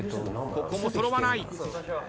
ここも揃わない。